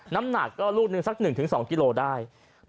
น้ำหนักก็ลูกหนึ่งสัก๑๒กิโลได้